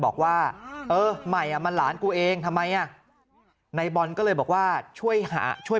บอกว่าเออใหม่อ่ะมันหลานกูเองทำไมอ่ะนายบอลก็เลยบอกว่าช่วยหาช่วย